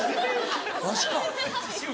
わしか。